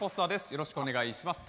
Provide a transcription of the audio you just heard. よろしくお願いします。